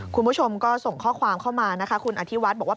คุณผู้ชมก็ส่งข้อความเข้ามานะคะคุณอธิวัฒน์บอกว่า